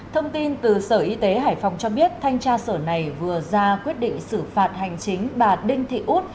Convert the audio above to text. thông tin từ sở y tế hải phòng cho biết thanh tra sở này vừa ra quyết định xử phạt hành chính bà đinh thị út